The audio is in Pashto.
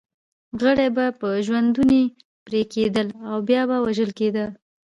غړي به په ژوندوني پرې کېدل او بیا به وژل کېده.